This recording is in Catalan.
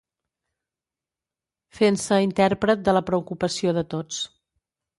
...fent-se intèrpret de la preocupació de tots.